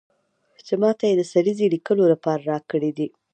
چې ماته یې د سریزې لیکلو لپاره راکړی دی.